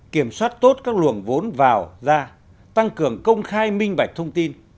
kiểm soát tốt các luồng vốn vào ra tăng cường công khai minh bạch thông tin